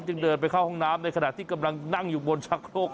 จึงเดินไปเข้าห้องน้ำในขณะที่กำลังนั่งอยู่บนชะโครก